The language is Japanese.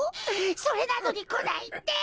それなのにこないって。